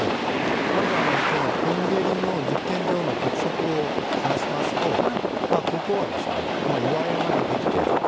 まずプンゲリの実験場の特色を話しますとここは岩山でできている。